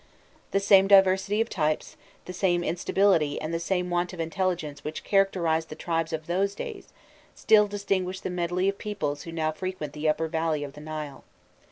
The same diversity of types, the same instability and the same want of intelligence which characterized the tribes of those days, still distinguish the medley of peoples who now frequent the upper valley of the Nile.